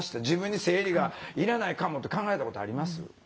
自分に生理がいらないかもって考えたことあります？